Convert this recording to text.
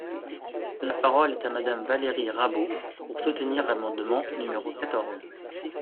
La parole est à Madame Valérie Rabault, pour soutenir l’amendement numéro quatorze.